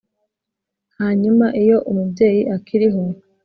hanyuma iyo umubyeyi akiriho,